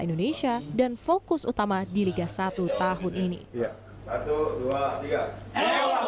indonesia dan fokus utama di liga satu tahun ini satu luar biasa